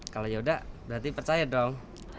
kalau yaudah berarti percaya dong